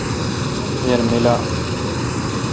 دیر میلا۔